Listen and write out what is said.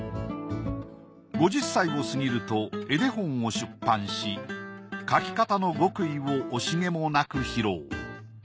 ５０歳を過ぎると絵手本を出版し描き方の極意を惜しげもなく披露。